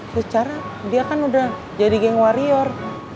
secara dia kan udah jadi geng warior